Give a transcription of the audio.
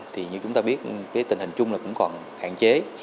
thì như chúng ta biết cái tình hình chung là cũng còn hạn chế